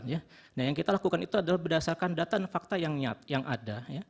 nah yang kita lakukan itu adalah berdasarkan data dan fakta yang ada